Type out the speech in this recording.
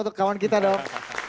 untuk kawan kita dong